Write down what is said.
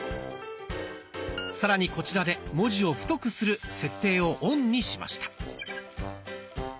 さらにこちらで「文字を太くする」設定をオンにしました。